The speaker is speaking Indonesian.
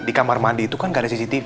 di kamar mandi itu kan gak ada cctv